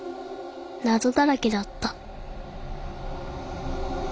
なぞだらけだった